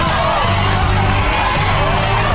ต้องต้องมีใจ